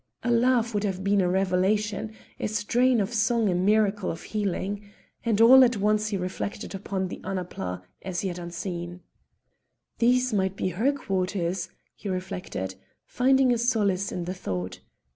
A laugh would have been a revelation, a strain of song a miracle of healing. And all at once he reflected upon the Annapla as yet unseen. "These might be her quarters," he reflected, finding a solace in the thought.